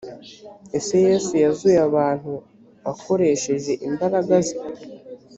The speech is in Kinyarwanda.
ese yesu yazuye abantu akoresheje imbaraga ze